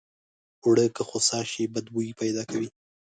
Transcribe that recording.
اوړه که خوسا شي بد بوي پیدا کوي